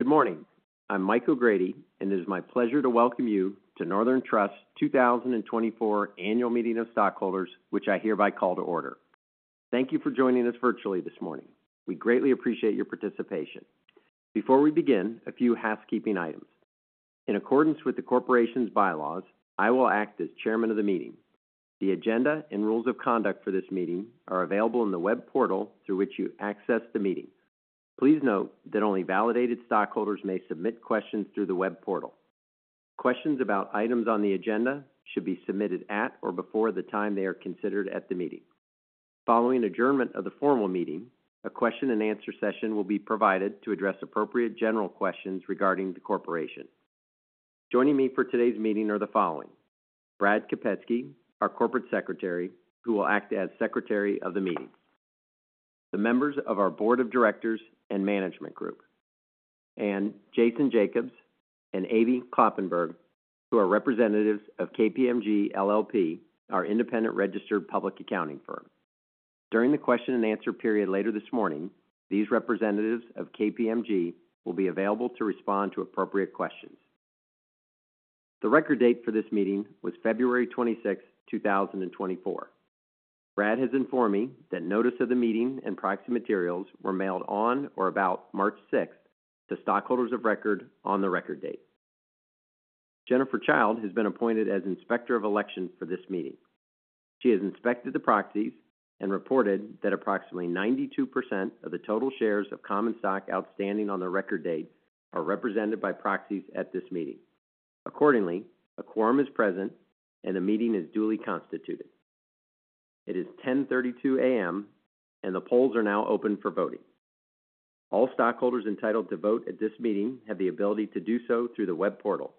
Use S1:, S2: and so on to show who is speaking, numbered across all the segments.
S1: Good morning. I'm Michael O'Grady, and it is my pleasure to welcome you to Northern Trust's 2024 Annual Meeting of Stockholders, which I hereby call to order. Thank you for joining us virtually this morning. We greatly appreciate your participation. Before we begin, a few housekeeping items. In accordance with the corporation's bylaws, I will act as Chairman of the meeting. The agenda and rules of conduct for this meeting are available in the web portal through which you access the meeting. Please note that only validated stockholders may submit questions through the web portal. Questions about items on the agenda should be submitted at or before the time they are considered at the meeting. Following adjournment of the formal meeting, a question-and-answer session will be provided to address appropriate general questions regarding the corporation. Joining me for today's meeting are the following: Brad Kopetsky, our corporate secretary, who will act as secretary of the meeting, the members of our board of directors and management group, and Jason Jacobs and Amy Kloppenburg, who are representatives of KPMG LLP, our independent registered public accounting firm. During the question-and-answer period later this morning, these representatives of KPMG will be available to respond to appropriate questions. The record date for this meeting was February 26, 2024. Brad has informed me that notice of the meeting and proxy materials were mailed on or about March 6 to stockholders of record on the record date. Jennifer Childe has been appointed as Inspector of Election for this meeting. She has inspected the proxies and reported that approximately 92% of the total shares of common stock outstanding on the record date are represented by proxies at this meeting. Accordingly, a quorum is present and the meeting is duly constituted. It is 10:32 A.M., and the polls are now open for voting. All stockholders entitled to vote at this meeting have the ability to do so through the web portal.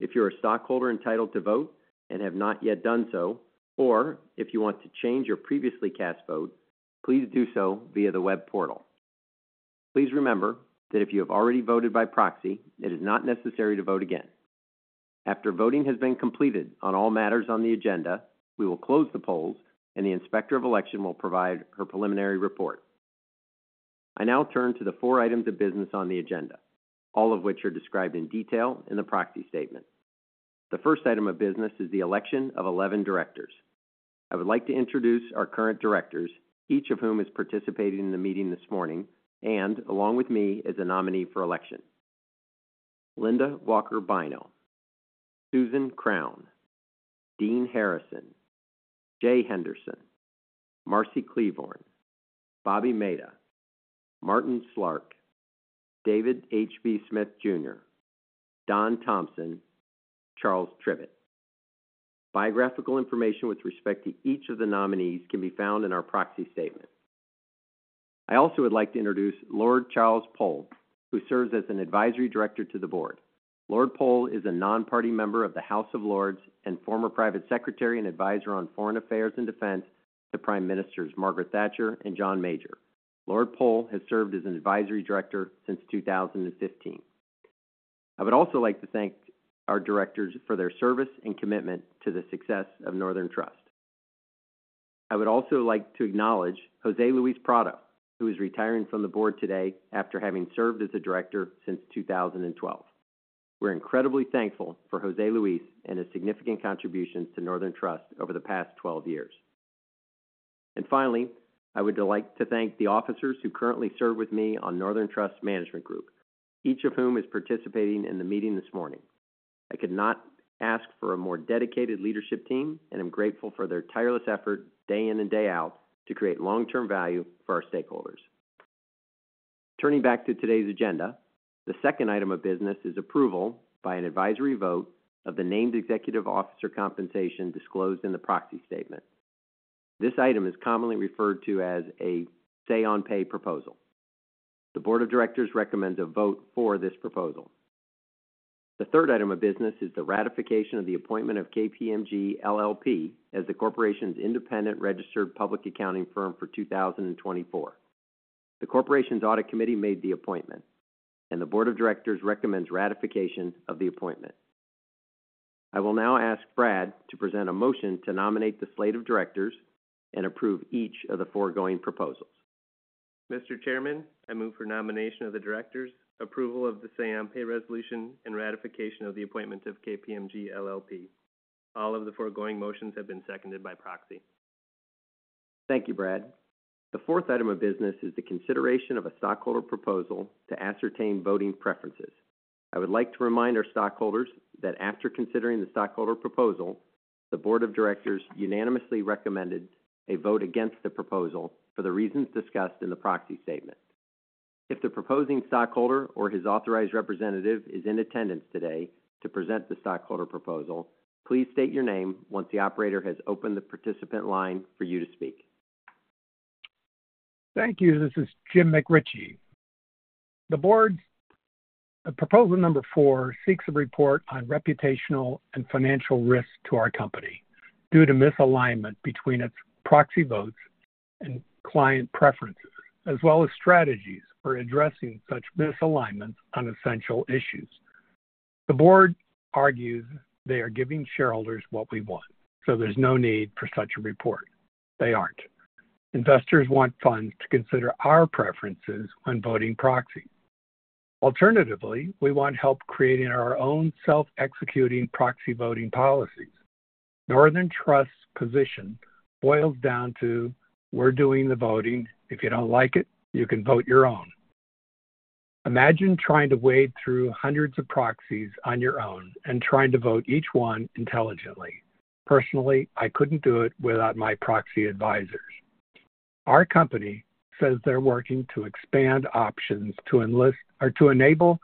S1: If you're a stockholder entitled to vote and have not yet done so, or if you want to change your previously cast vote, please do so via the web portal. Please remember that if you have already voted by proxy, it is not necessary to vote again. After voting has been completed on all matters on the agenda, we will close the polls, and the Inspector of Election will provide her preliminary report. I now turn to the four items of business on the agenda, all of which are described in detail in the Proxy Statement. The first item of business is the election of 11 directors. I would like to introduce our current directors, each of whom is participating in the meeting this morning and, along with me, is a nominee for election: Linda Walker Bynoe; Susan Crown; Dean Harrison; Jay Henderson; Marcy Klevorn; Bobby Mehta; Martin Slark; David H.B. Smith Jr.; Don Thompson; Charles Tribbett. Biographical information with respect to each of the nominees can be found in our Proxy Statement. I also would like to introduce Lord Charles Powell, who serves as an advisory director to the board. Lord Powell is a non-party member of the House of Lords and former private secretary and advisor on foreign affairs and defense to Prime Ministers Margaret Thatcher and John Major. Lord Powell has served as an advisory director since 2015. I would also like to thank our directors for their service and commitment to the success of Northern Trust. I would also like to acknowledge José Luis Prado, who is retiring from the board today after having served as a director since 2012. We're incredibly thankful for José Luis and his significant contributions to Northern Trust over the past 12 years. Finally, I would like to thank the officers who currently serve with me on Northern Trust's management group, each of whom is participating in the meeting this morning. I could not ask for a more dedicated leadership team and am grateful for their tireless effort day in and day out to create long-term value for our stakeholders. Turning back to today's agenda, the second item of business is approval by an advisory vote of the named executive officer compensation disclosed in the Proxy Statement. This item is commonly referred to as a Say-on-Pay proposal. The board of directors recommends a vote for this proposal. The third item of business is the ratification of the appointment of KPMG LLP as the corporation's independent registered public accounting firm for 2024. The corporation's audit committee made the appointment, and the board of directors recommends ratification of the appointment. I will now ask Brad to present a motion to nominate the slate of directors and approve each of the foregoing proposals.
S2: Mr. Chairman, I move for nomination of the directors, approval of the Say-on-Pay resolution, and ratification of the appointment of KPMG LLP. All of the foregoing motions have been seconded by proxy.
S1: Thank you, Brad. The fourth item of business is the consideration of a stockholder proposal to ascertain voting preferences. I would like to remind our stockholders that after considering the stockholder proposal, the board of directors unanimously recommended a vote against the proposal for the reasons discussed in the proxy statement. If the proposing stockholder or his authorized representative is in attendance today to present the stockholder proposal, please state your name once the operator has opened the participant line for you to speak.
S3: Thank you. This is Jim McRitchie. The board's proposal number four seeks a report on reputational and financial risks to our company due to misalignment between its proxy votes and client preferences, as well as strategies for addressing such misalignments on essential issues. The board argues they are giving shareholders what we want, so there's no need for such a report. They aren't. Investors want funds to consider our preferences when voting proxies. Alternatively, we want help creating our own self-executing proxy voting policies. Northern Trust's position boils down to, "We're doing the voting. If you don't like it, you can vote your own." Imagine trying to wade through hundreds of proxies on your own and trying to vote each one intelligently. Personally, I couldn't do it without my proxy advisors. Our company says they're working to expand options to enlist or to enable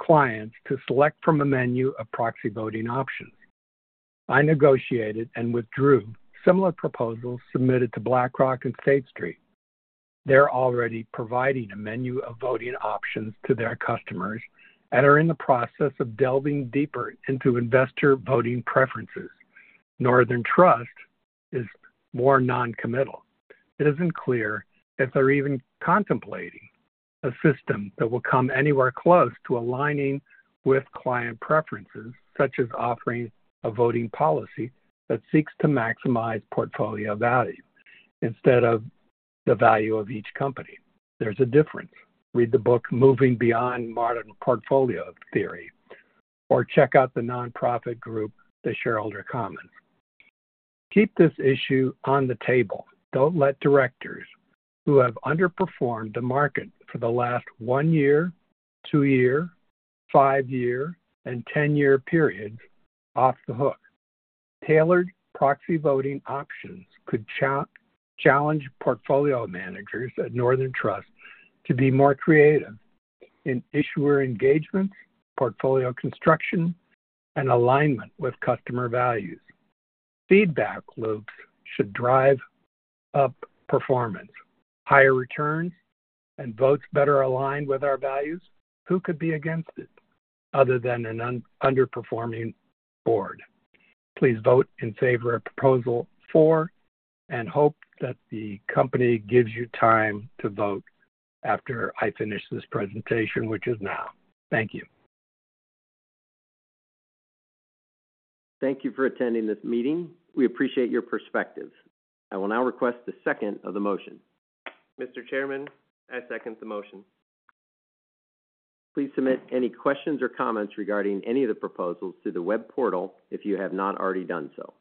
S3: clients to select from a menu of proxy voting options. I negotiated and withdrew similar proposals submitted to BlackRock and State Street. They're already providing a menu of voting options to their customers and are in the process of delving deeper into investor voting preferences. Northern Trust is more noncommittal. It isn't clear if they're even contemplating a system that will come anywhere close to aligning with client preferences, such as offering a voting policy that seeks to maximize portfolio value instead of the value of each company. There's a difference. Read the book Moving Beyond Modern Portfolio Theory or check out the nonprofit group, The Shareholder Commons. Keep this issue on the table. Don't let directors who have underperformed the market for the last one-year, two-year, five-year, and 10-year periods off the hook. Tailored proxy voting options could challenge portfolio managers at Northern Trust to be more creative in issuer engagements, portfolio construction, and alignment with customer values. Feedback loops should drive up performance. Higher returns and votes better aligned with our values? Who could be against it other than an underperforming board? Please vote in favor of proposal four and hope that the company gives you time to vote after I finish this presentation, which is now. Thank you.
S1: Thank you for attending this meeting. We appreciate your perspectives. I will now request the second of the motion.
S2: Mr. Chairman, I second the motion.
S1: Please submit any questions or comments regarding any of the proposals to the web portal if you have not already done so.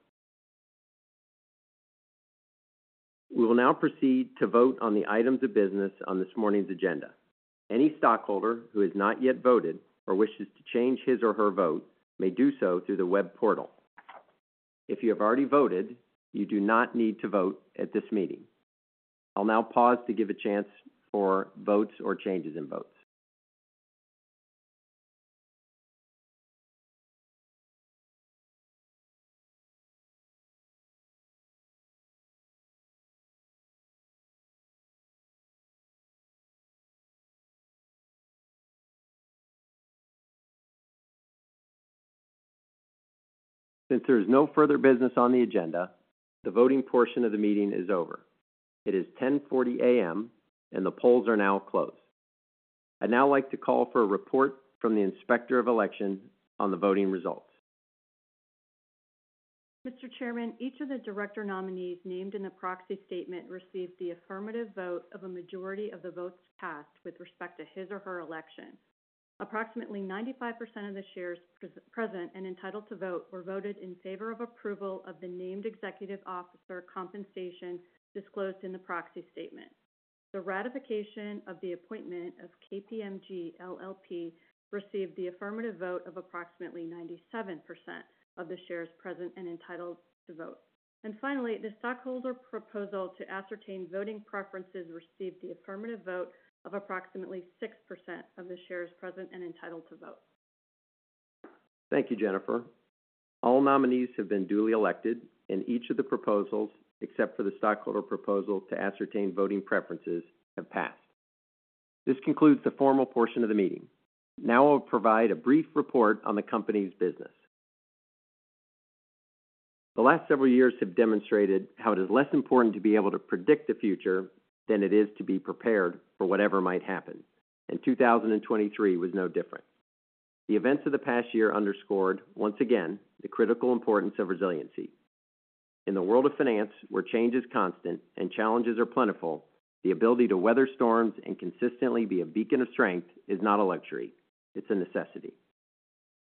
S1: We will now proceed to vote on the items of business on this morning's agenda. Any stockholder who has not yet voted or wishes to change his or her vote may do so through the web portal. If you have already voted, you do not need to vote at this meeting. I'll now pause to give a chance for votes or changes in votes. Since there is no further business on the agenda, the voting portion of the meeting is over. It is 10:40 A.M., and the polls are now closed. I'd now like to call for a report from the Inspector of Election on the voting results.
S4: Mr. Chairman, each of the director nominees named in the proxy statement received the affirmative vote of a majority of the votes cast with respect to his or her election. Approximately 95% of the shares present and entitled to vote were voted in favor of approval of the named executive officer compensation disclosed in the proxy statement. The ratification of the appointment of KPMG LLP received the affirmative vote of approximately 97% of the shares present and entitled to vote. And finally, the stockholder proposal to ascertain voting preferences received the affirmative vote of approximately 6% of the shares present and entitled to vote.
S1: Thank you, Jennifer. All nominees have been duly elected, and each of the proposals, except for the stockholder proposal to ascertain voting preferences, have passed. This concludes the formal portion of the meeting. Now I will provide a brief report on the company's business. The last several years have demonstrated how it is less important to be able to predict the future than it is to be prepared for whatever might happen, and 2023 was no different. The events of the past year underscored, once again, the critical importance of resiliency. In the world of finance, where change is constant and challenges are plentiful, the ability to weather storms and consistently be a beacon of strength is not a luxury, it's a necessity.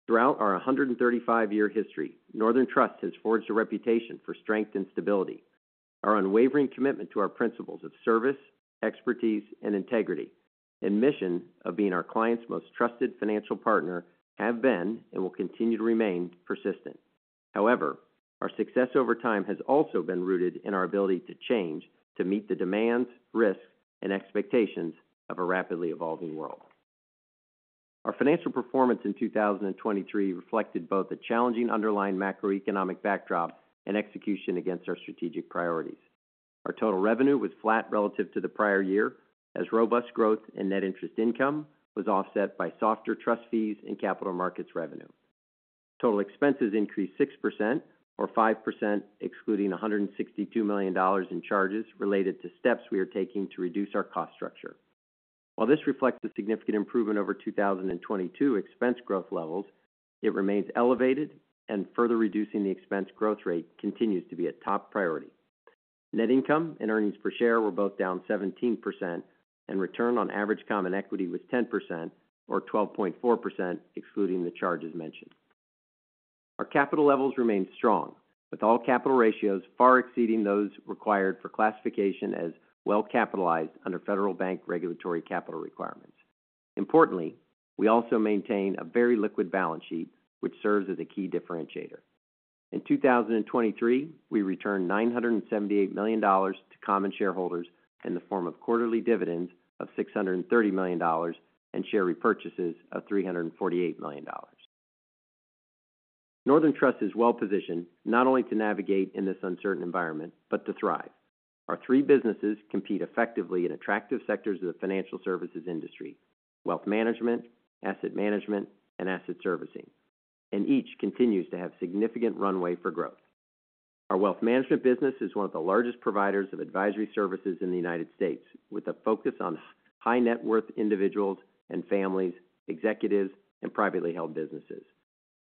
S1: Throughout our 135-year history, Northern Trust has forged a reputation for strength and stability. Our unwavering commitment to our principles of service, expertise, and integrity, and mission of being our client's most trusted financial partner, have been and will continue to remain persistent. However, our success over time has also been rooted in our ability to change to meet the demands, risks, and expectations of a rapidly evolving world. Our financial performance in 2023 reflected both a challenging underlying macroeconomic backdrop and execution against our strategic priorities. Our total revenue was flat relative to the prior year, as robust growth and net interest income was offset by softer trust fees and capital markets revenue. Total expenses increased 6% or 5%, excluding $162 million in charges related to steps we are taking to reduce our cost structure. While this reflects the significant improvement over 2022 expense growth levels, it remains elevated, and further reducing the expense growth rate continues to be a top priority. Net income and earnings per share were both down 17%, and return on average common equity was 10% or 12.4%, excluding the charges mentioned. Our capital levels remain strong, with all capital ratios far exceeding those required for classification as well-capitalized under federal bank regulatory capital requirements. Importantly, we also maintain a very liquid balance sheet, which serves as a key differentiator. In 2023, we returned $978 million to common shareholders in the form of quarterly dividends of $630 million and share repurchases of $348 million. Northern Trust is well-positioned not only to navigate in this uncertain environment but to thrive. Our three businesses compete effectively in attractive sectors of the financial services industry: wealth management, asset management, and asset servicing, and each continues to have significant runway for growth. Our wealth management business is one of the largest providers of advisory services in the United States, with a focus on high-net-worth individuals and families, executives, and privately held businesses.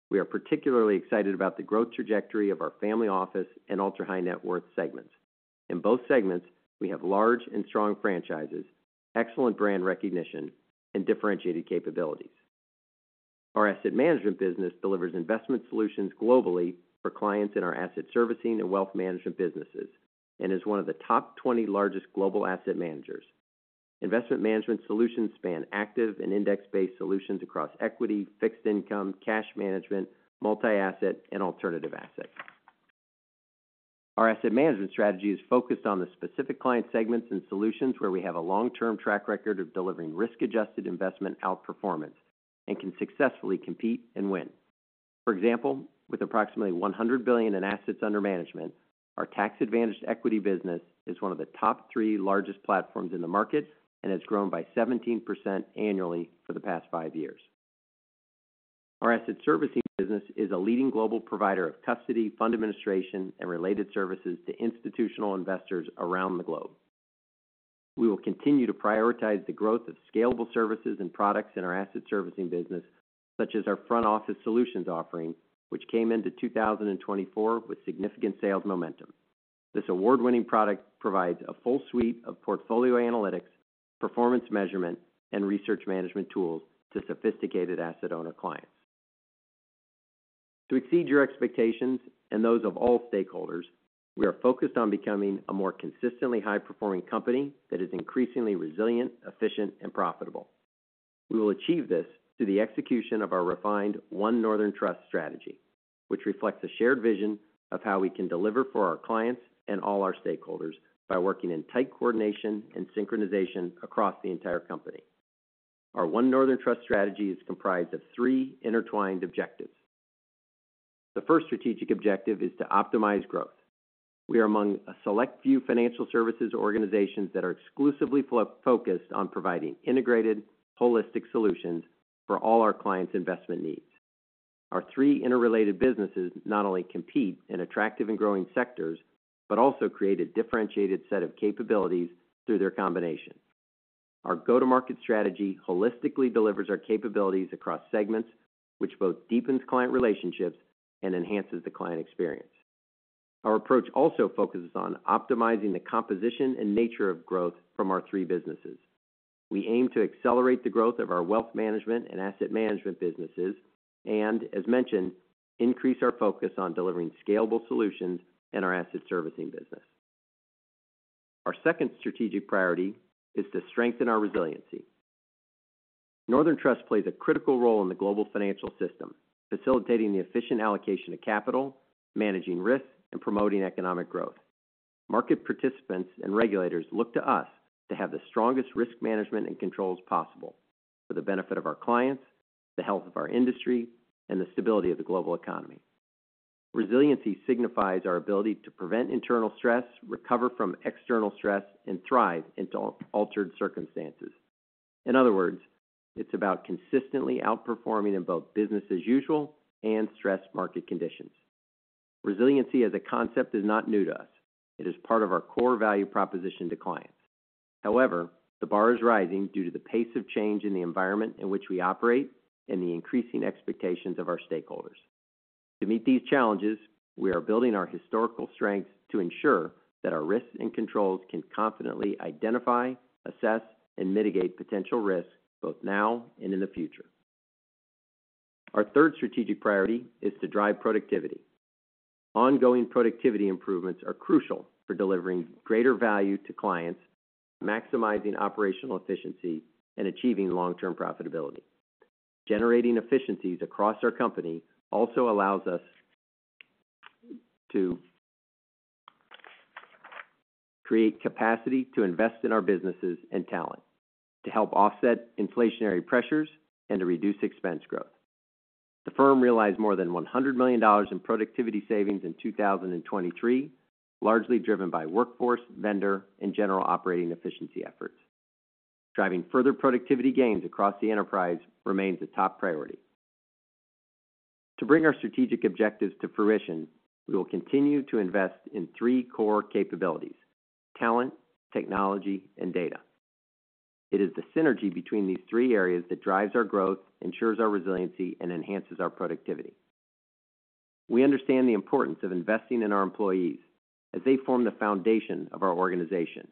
S1: We are particularly excited about the growth trajectory of our family office and ultra-high-net-worth segments. In both segments, we have large and strong franchises, excellent brand recognition, and differentiated capabilities. Our asset management business delivers investment solutions globally for clients in our asset servicing and wealth management businesses and is one of the top 20 largest global asset managers. Investment management solutions span active and index-based solutions across equity, fixed income, cash management, multi-asset, and alternative assets. Our asset management strategy is focused on the specific client segments and solutions where we have a long-term track record of delivering risk-adjusted investment outperformance and can successfully compete and win. For example, with approximately $100 billion in assets under management, our tax-advantaged equity business is one of the top three largest platforms in the market and has grown by 17% annually for the past five years. Our asset servicing business is a leading global provider of custody, fund administration, and related services to institutional investors around the globe. We will continue to prioritize the growth of scalable services and products in our asset servicing business, such as our Front Office Solutions offering, which came into 2024 with significant sales momentum. This award-winning product provides a full suite of portfolio analytics, performance measurement, and research management tools to sophisticated asset owner clients. To exceed your expectations and those of all stakeholders, we are focused on becoming a more consistently high-performing company that is increasingly resilient, efficient, and profitable. We will achieve this through the execution of our refined One Northern Trust strategy, which reflects a shared vision of how we can deliver for our clients and all our stakeholders by working in tight coordination and synchronization across the entire company. Our One Northern Trust strategy is comprised of three intertwined objectives. The first strategic objective is to optimize growth. We are among a select few financial services organizations that are exclusively focused on providing integrated, holistic solutions for all our clients' investment needs. Our three interrelated businesses not only compete in attractive and growing sectors but also create a differentiated set of capabilities through their combination. Our go-to-market strategy holistically delivers our capabilities across segments, which both deepens client relationships and enhances the client experience. Our approach also focuses on optimizing the composition and nature of growth from our three businesses. We aim to accelerate the growth of our wealth management and asset management businesses and, as mentioned, increase our focus on delivering scalable solutions in our asset servicing business. Our second strategic priority is to strengthen our resiliency. Northern Trust plays a critical role in the global financial system, facilitating the efficient allocation of capital, managing risks, and promoting economic growth. Market participants and regulators look to us to have the strongest risk management and controls possible for the benefit of our clients, the health of our industry, and the stability of the global economy. Resiliency signifies our ability to prevent internal stress, recover from external stress, and thrive in altered circumstances. In other words, it's about consistently outperforming in both business-as-usual and stressed market conditions. Resiliency as a concept is not new to us. It is part of our core value proposition to clients. However, the bar is rising due to the pace of change in the environment in which we operate and the increasing expectations of our stakeholders. To meet these challenges, we are building our historical strengths to ensure that our risks and controls can confidently identify, assess, and mitigate potential risks both now and in the future. Our third strategic priority is to drive productivity. Ongoing productivity improvements are crucial for delivering greater value to clients, maximizing operational efficiency, and achieving long-term profitability. Generating efficiencies across our company also allows us to create capacity to invest in our businesses and talent, to help offset inflationary pressures, and to reduce expense growth. The firm realized more than $100 million in productivity savings in 2023, largely driven by workforce, vendor, and general operating efficiency efforts. Driving further productivity gains across the enterprise remains a top priority. To bring our strategic objectives to fruition, we will continue to invest in three core capabilities: talent, technology, and data. It is the synergy between these three areas that drives our growth, ensures our resiliency, and enhances our productivity. We understand the importance of investing in our employees, as they form the foundation of our organization.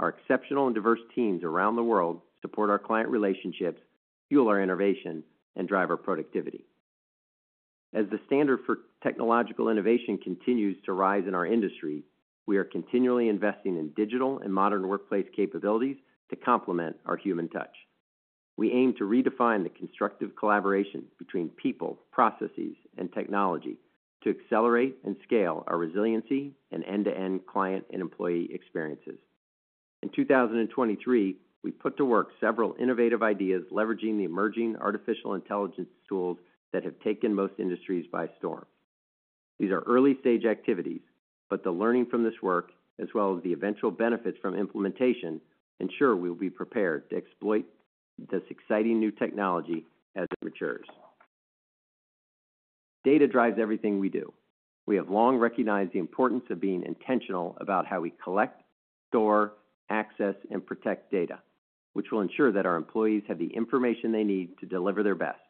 S1: Our exceptional and diverse teams around the world support our client relationships, fuel our innovation, and drive our productivity. As the standard for technological innovation continues to rise in our industry, we are continually investing in digital and modern workplace capabilities to complement our human touch. We aim to redefine the constructive collaboration between people, processes, and technology to accelerate and scale our resiliency and end-to-end client and employee experiences. In 2023, we put to work several innovative ideas leveraging the emerging artificial intelligence tools that have taken most industries by storm. These are early-stage activities, but the learning from this work, as well as the eventual benefits from implementation, ensure we will be prepared to exploit this exciting new technology as it matures. Data drives everything we do. We have long recognized the importance of being intentional about how we collect, store, access, and protect data, which will ensure that our employees have the information they need to deliver their best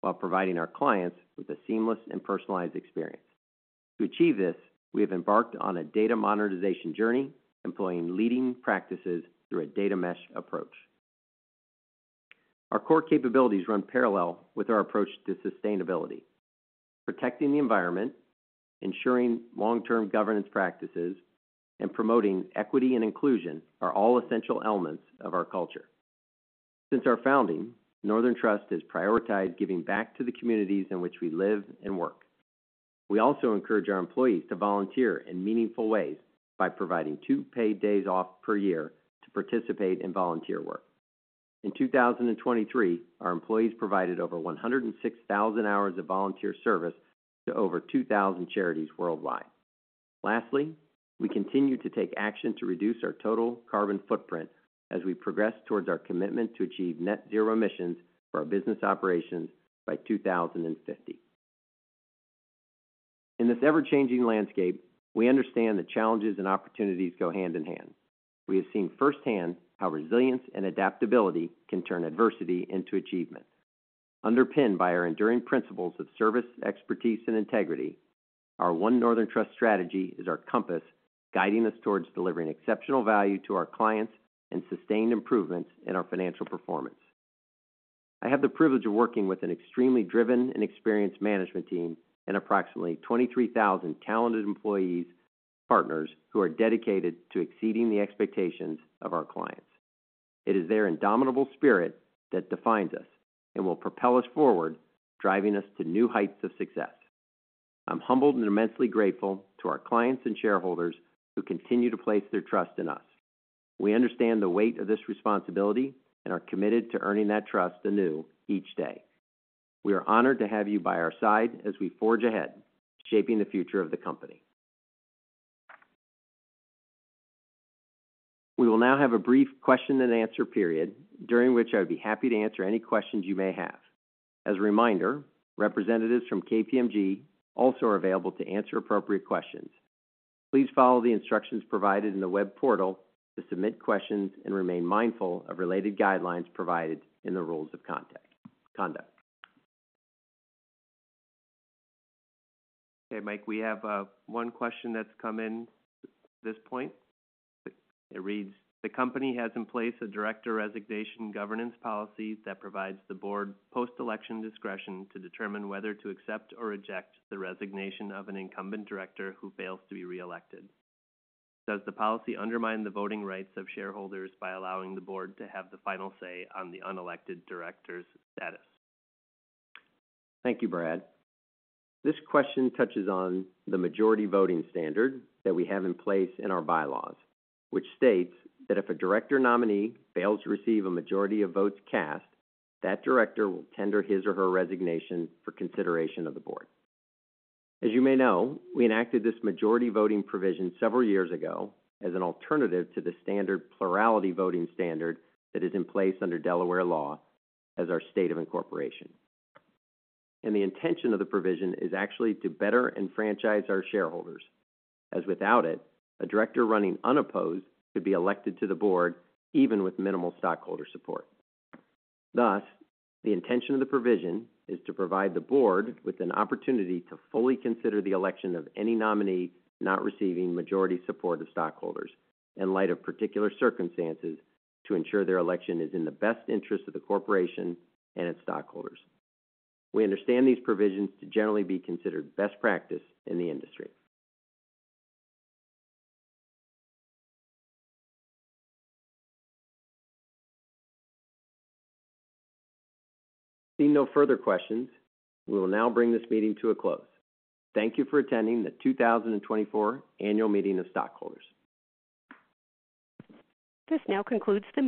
S1: while providing our clients with a seamless and personalized experience. To achieve this, we have embarked on a data monetization journey, employing leading practices through a data mesh approach. Our core capabilities run parallel with our approach to sustainability. Protecting the environment, ensuring long-term governance practices, and promoting equity and inclusion are all essential elements of our culture. Since our founding, Northern Trust has prioritized giving back to the communities in which we live and work. We also encourage our employees to volunteer in meaningful ways by providing two paid days off per year to participate in volunteer work. In 2023, our employees provided over 106,000 hours of volunteer service to over 2,000 charities worldwide. Lastly, we continue to take action to reduce our total carbon footprint as we progress towards our commitment to achieve net-zero emissions for our business operations by 2050. In this ever-changing landscape, we understand that challenges and opportunities go hand in hand. We have seen firsthand how resilience and adaptability can turn adversity into achievement. Underpinned by our enduring principles of service, expertise, and integrity, our One Northern Trust strategy is our compass, guiding us towards delivering exceptional value to our clients and sustained improvements in our financial performance. I have the privilege of working with an extremely driven and experienced management team and approximately 23,000 talented employees and partners who are dedicated to exceeding the expectations of our clients. It is their indomitable spirit that defines us and will propel us forward, driving us to new heights of success. I'm humbled and immensely grateful to our clients and shareholders who continue to place their trust in us. We understand the weight of this responsibility and are committed to earning that trust anew each day. We are honored to have you by our side as we forge ahead, shaping the future of the company. We will now have a brief question-and-answer period during which I would be happy to answer any questions you may have. As a reminder, representatives from KPMG also are available to answer appropriate questions. Please follow the instructions provided in the web portal to submit questions and remain mindful of related guidelines provided in the rules of conduct.
S2: Okay, Mike, we have one question that's come in at this point. It reads, "The company has in place a director resignation governance policy that provides the board post-election discretion to determine whether to accept or reject the resignation of an incumbent director who fails to be reelected. Does the policy undermine the voting rights of shareholders by allowing the board to have the final say on the unelected director's status?"
S1: Thank you, Brad. This question touches on the majority voting standard that we have in place in our bylaws, which states that if a director nominee fails to receive a majority of votes cast, that director will tender his or her resignation for consideration of the board. As you may know, we enacted this majority voting provision several years ago as an alternative to the standard plurality voting standard that is in place under Delaware law as our state of incorporation. The intention of the provision is actually to better enfranchise our shareholders, as without it, a director running unopposed could be elected to the board even with minimal stockholder support. Thus, the intention of the provision is to provide the board with an opportunity to fully consider the election of any nominee not receiving majority support of stockholders in light of particular circumstances to ensure their election is in the best interest of the corporation and its stockholders. We understand these provisions to generally be considered best practice in the industry. Seeing no further questions, we will now bring this meeting to a close. Thank you for attending the 2024 annual meeting of stockholders.
S5: This now concludes the.